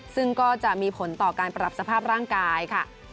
ซึ่งก็จะมีผลต่อการปรับสภาพร่างกายค่ะ